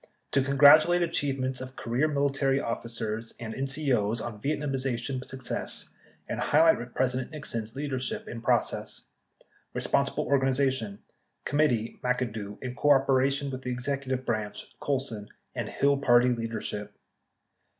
— To congratulate achievements of career military officers and N CO's on Yietnamization success and highlight President Nixon's leadership in process. Responsible organization. — Committee (McAdoo) in coor dination with the Executive Branch (Colson) and Hill party leadership.